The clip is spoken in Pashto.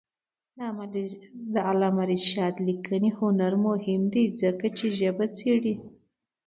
د علامه رشاد لیکنی هنر مهم دی ځکه چې ژبه څېړي.